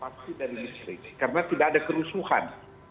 pasti dari distrik karena tidak ada kerusuhan